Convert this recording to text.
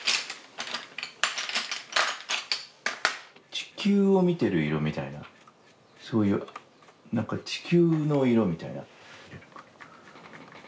地球を見てる色みたいなそういうなんか地球の色みたいな。